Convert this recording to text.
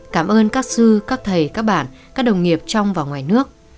cảm ơn các sư các thầy các bạn các đồng nghiệp trong và ngoài nước